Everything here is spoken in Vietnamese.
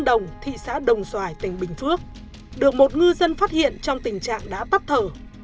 đồng thị xã đồng xoài tỉnh bình phước được một ngư dân phát hiện trong tình trạng đã bắt thầu